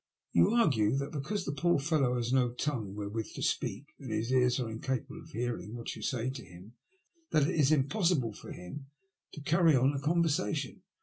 You argue that because the poor fellow has no tongue wherewith to speak, and his ears are incapable of hearing what you say to him, that it is impossible for him to carry on a conversation.